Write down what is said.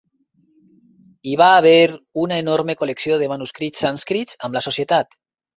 Hi va haver una enorme col·lecció de manuscrits sànscrits amb la societat.